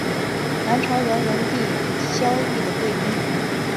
南朝梁元帝萧绎的贵嫔。